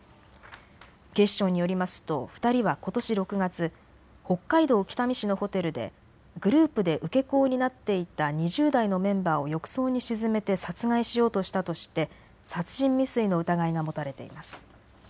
警視庁によりますと２人はことし６月、北海道北見市のホテルでグループで受け子を担っていた２０代のメンバーを浴槽に沈めて殺害しようとしたとして殺人未遂の疑いが持たれています。